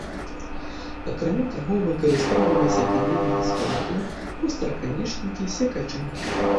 Акрамя таго, выкарыстоўваліся каменныя скрэблы, востраканечнікі, секачы.